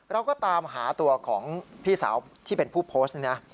เราก็ตามหาตัวของพี่สาวที่เป็นผู้โพสต์นี่นะ